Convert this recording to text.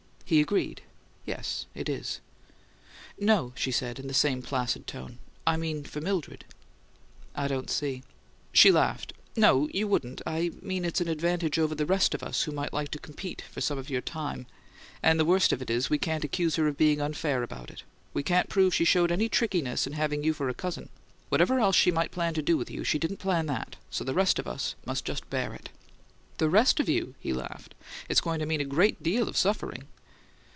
He agreed. "Yes. It is." "No," she said, in the same placid tone. "I mean for Mildred." "I don't see " She laughed. "No. You wouldn't. I mean it's an advantage over the rest of us who might like to compete for some of your time; and the worst of it is we can't accuse her of being unfair about it. We can't prove she showed any trickiness in having you for a cousin. Whatever else she might plan to do with you, she didn't plan that. So the rest of us must just bear it!" "The 'rest of you!'" he laughed. "It's going to mean a great deal of suffering!"